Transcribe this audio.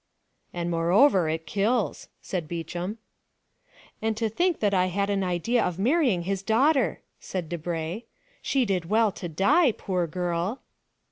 "And moreover, it kills," said Beauchamp. "And to think that I had an idea of marrying his daughter," said Debray. "She did well to die, poor girl!"